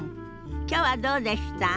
きょうはどうでした？